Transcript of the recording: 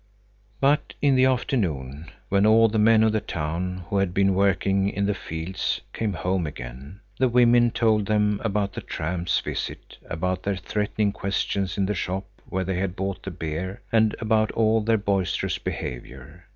But in the afternoon, when all the men of the town, who had been working in the fields, came home again, the women told them about the tramps' visit, about their threatening questions in the shop where they had bought the beer, and about all their boisterous behavior.